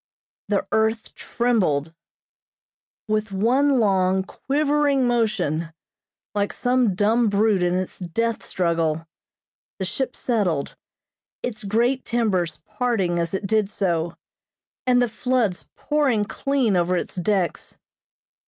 The earth trembled. With one long, quivering motion, like some dumb brute in its death struggle, the ship settled, its great timbers parting as it did so, and the floods pouring clean over its decks.